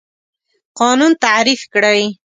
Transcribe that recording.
قانون تعریف کړئ.